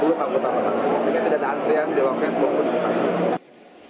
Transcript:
sehingga tidak ada antrian dilokasi maupun dikasih